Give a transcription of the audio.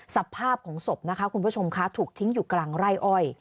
สภาพของศพนะคะคุณผู้ชมคะถูกทิ้งอยู่กลางไร่อ้อย